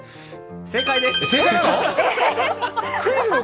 正解です！